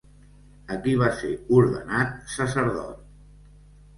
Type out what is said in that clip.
Aquí va ser ordenat sacerdot.